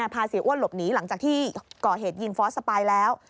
เสียอ้วนหลบหนีหลังจากที่ก่อเหตุยิงฟอสสปายแล้ว